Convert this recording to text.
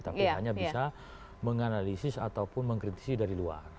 tapi hanya bisa menganalisis ataupun mengkritisi dari luar